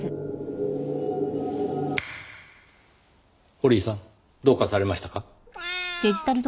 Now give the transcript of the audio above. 堀井さんどうかされましたか？